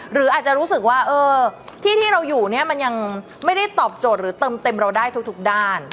หรืออาจจะรู้สึกว่าที่ที่เราอยู่เนี่ยมันยังไม่ได้ตอบโจทย์หรือเติมเต็มเราได้ทุกด้าน